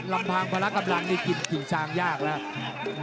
ลำพังพละกำลังนี่กินกิ่งชางยากแล้ว